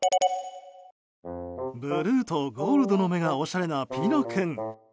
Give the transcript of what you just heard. ブルーとゴールドの目がおしゃれなピノ君。